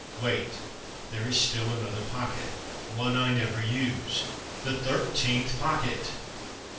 Wait! there is still another pocket! One I never use—THE THIRTEENTH POCKET!